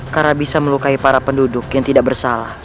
karena bisa melukai para penduduk yang tidak bersalah